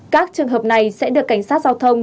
các trường hợp này sẽ được cảnh sát giao thông